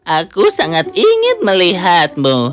aku sangat ingin melihatmu